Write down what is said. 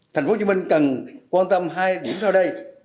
thành phố hồ chí minh cần quan tâm hai điểm sau đây